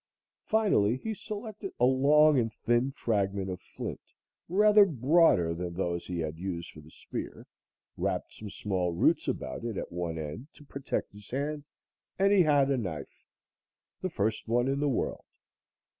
Finally, he selected a long and thin fragment of flint, rather broader than those he had used for the spear, wrapped some small roots about it at one end to protect his hand, and he had a knife the first one in the world.